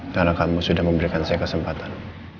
karena kamu sudah memberikan saya kesempatan